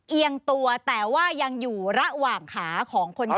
เอียงตัวแต่ว่ายังอยู่ระหว่างขาของคนขับ